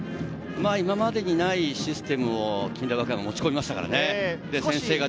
今までにないシステムを近大和歌山は持ち込みましたからね。